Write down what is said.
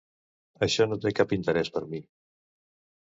Això no té cap interès per a mi!